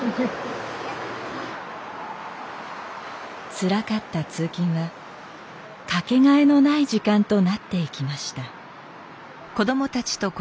つらかった通勤は掛けがえのない時間となっていきました。